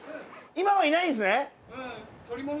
今はいないんすね？